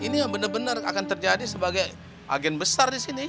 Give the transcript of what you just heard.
ini yang benar benar akan terjadi sebagai agen besar di sini